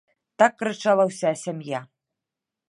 Так крычала ўся сям'я.